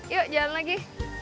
yuk jalan lagi